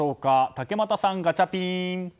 竹俣さん、ガチャピン！